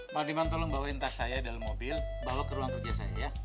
bang iman tolong bawain tas saya dalam mobil bawa ke ruang kerja saya ya